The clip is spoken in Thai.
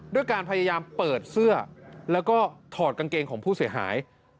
ด้วยการพยายามเปิดเสื้อแล้วก็ถอดกางเกงของผู้เสียหาย